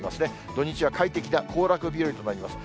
土日は快適な行楽日和となります。